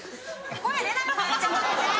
声出なくなっちゃったじゃん